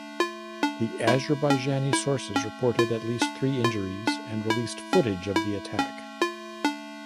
The Azerbaijani sources reported at least three injuries and released footage of the attack.